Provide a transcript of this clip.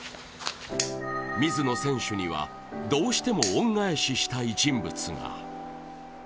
水野選手には、どうしても恩返ししたい人物が。